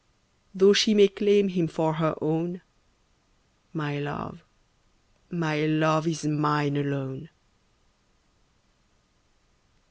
Though she may claim him for her own, My love, my love is mine alone.